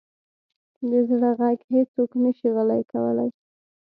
د زړه ږغ هیڅوک نه شي غلی کولی.